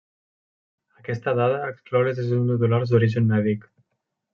Aquesta dada exclou les lesions medul·lars d'origen mèdic.